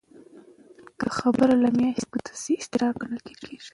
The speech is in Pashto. که خبره له میاشتې اوږده شي، اضطراب ګڼل کېږي.